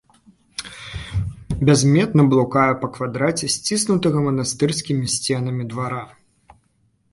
Бязмэтна блукаю па квадраце сціснутага манастырскімі сценамі двара.